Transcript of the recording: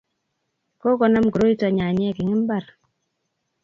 Kokonam koroito nyanyek eng' imbar